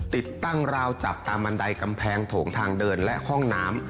ติดตั้งราวจับตามบันไดกำแพงโถงทางเดินและห้องน้ำ